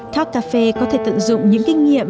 talk cafe có thể tận dụng những kinh nghiệm